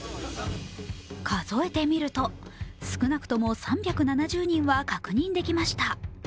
数えてみると少なくとも３７０人は確認できました。